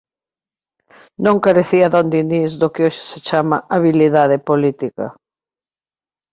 Non carecía D. Dinís do que hoxe se chama "habilidade política".